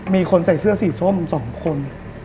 มีคนใส่เสื้อสีส้ม๒คน